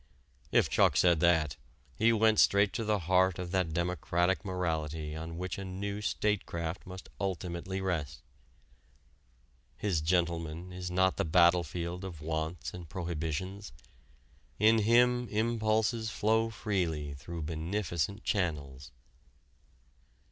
If Chuck said that, he went straight to the heart of that democratic morality on which a new statecraft must ultimately rest. His gentleman is not the battlefield of wants and prohibitions; in him impulses flow freely through beneficent channels.